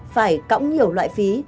phải cõng nhiều loại phí